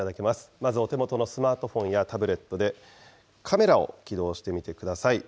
まずお手元のスマートフォンやタブレットで、カメラを起動してみてください。